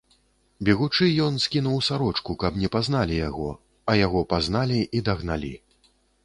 Бегучы ён скінуў сарочку, каб не пазналі яго, а яго пазналі і дагналі.